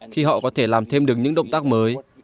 khi họ có thể làm thêm được những động tác mới